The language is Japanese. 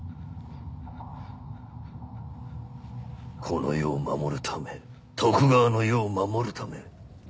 この世を守るため徳川の世を守るため。